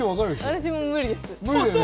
私も無理です。